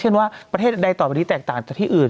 เช่นว่าประเทศอันดัยต่อไปที่แตกต่างจากที่อื่น